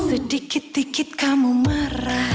sedikit dikit kamu marah